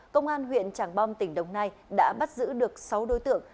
công an huyện tràng bom tỉnh đồng nai đã bắt giữ được sáu đối tượng